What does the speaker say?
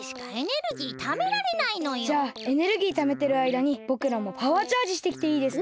じゃあエネルギーためてるあいだにぼくらもパワーチャージしてきていいですか？